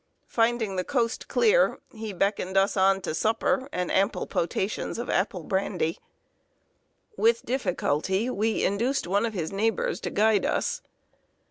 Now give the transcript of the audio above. Finding the coast clear, he beckoned us on to supper and ample potations of apple brandy. [Sidenote: WANDERING FROM THE ROAD.] With difficulty we induced one of his neighbors to guide us.